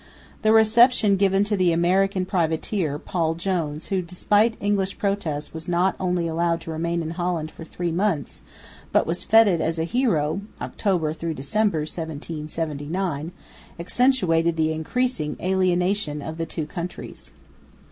The reception given to the American privateer, Paul Jones, who, despite English protests, was not only allowed to remain in Holland for three months, but was feted as a hero (October December, 1779), accentuated the increasing alienation of the two countries.